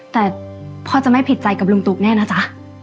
แต่พ่อจะไม่ผิดใจกับลุงตุ๊กแน่นะจ๊ะ